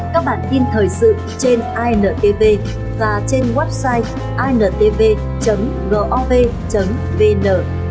các bản tin thời sự trên intv và trên website intv gov vn